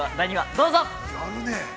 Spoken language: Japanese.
どうぞ。